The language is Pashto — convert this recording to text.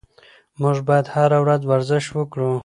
موږ باید هره ورځ ورزش وکړو.